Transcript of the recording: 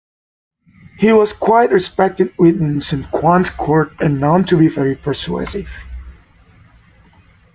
He was quite respected within Sun Quan's court and known to be very persuasive.